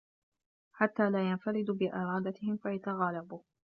حَتَّى لَا يَنْفَرِدُوا بِإِرَادَتِهِمْ فَيَتَغَالَبُوا